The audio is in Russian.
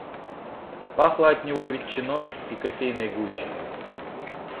Пахло от него ветчиной и кофейной гущей.